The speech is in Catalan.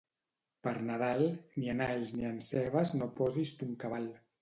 Per Nadal, ni en alls ni en cebes no posis ton cabal.